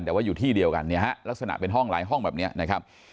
แต่ว่าอยู่ที่เดียวกันเนี่ยฮะลักษณะเป็นห้องหลายห้องแบบนี้นะครับ